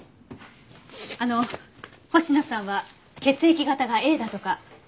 あの星名さんは血液型がＡだとか。